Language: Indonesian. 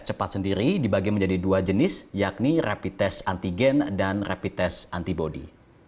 cepat sendiri dibagi menjadi dua jenis yakni rapid test antigen dan rapid test antibody